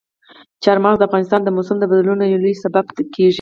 چار مغز د افغانستان د موسم د بدلون یو لوی سبب کېږي.